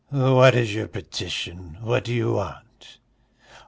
"What is your petition? What do you want?"